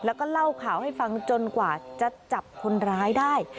แล้วก็เล่าข่าวให้ฟังจนกว่าจะจับคนร้ายได้